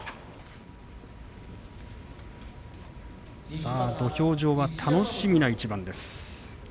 さあ土俵は楽しみな一番です。